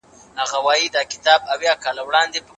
ځيني خلک واک ياشتمني لري، ځيني دمسئوليت احساس لري.